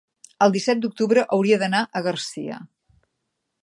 el disset d'octubre hauria d'anar a Garcia.